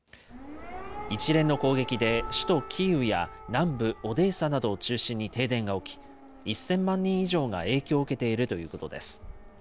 一連の攻撃で首都キーウや南部オデーサなどを中心に停電が起き、１０００万人以上が影響を受けているということです。